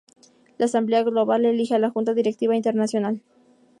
La Asamblea Global elige a la Junta Directiva Internacional.